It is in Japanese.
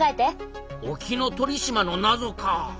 沖ノ鳥島のなぞか。